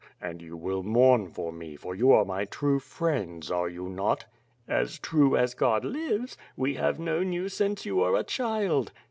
And you will mourn for me, for you are my true friends, are you not?" "As true as God lives. We have known you since you were a child."